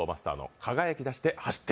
「輝きだして走ってく」